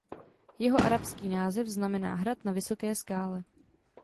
Jeho arabský název znamená "„hrad na vysoké skále“".